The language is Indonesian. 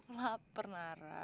aku lapar nara